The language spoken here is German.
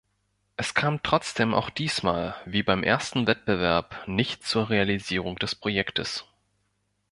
Es kam trotzdem auch diesmal, wie beim ersten Wettbewerb, nicht zur Realisierung des Projektes.